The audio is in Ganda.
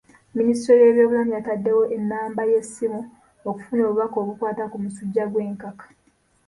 Minisitule y'ebyobulamu yataddewo ennamba y'essimu okufuna obubaka obukwata ku musujja gw'enkaka.